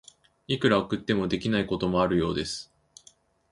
いくら送っても、できないこともあるようです。